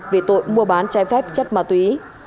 về tội mua bán trái phép chất ma túy